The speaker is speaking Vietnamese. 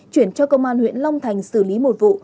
chuyển cho công an huyện long thành xử lý một vụ